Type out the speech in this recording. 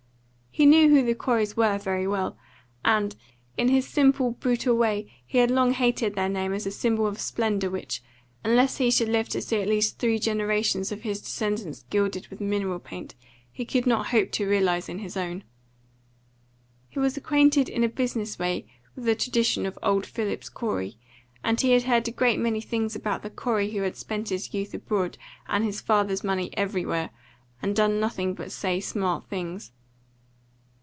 He knew who the Coreys were very well, and, in his simple, brutal way, he had long hated their name as a symbol of splendour which, unless he should live to see at least three generations of his descendants gilded with mineral paint, he could not hope to realise in his own. He was acquainted in a business way with the tradition of old Phillips Corey, and he had heard a great many things about the Corey who had spent his youth abroad and his father's money everywhere, and done nothing but say smart things.